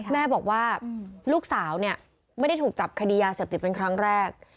แม่บอกว่าลูกสาวเนี่ยไม่ได้ถูกจับคดียาเสพติดเป็นครั้งแรก